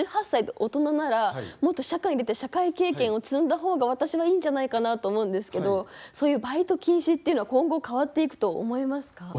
１８歳で大人ならもっと社会に出て社会経験を積んだ方が私はいいんじゃないかなと思うんですけどそういうバイト禁止っていうのは今後変わっていくと思いますか？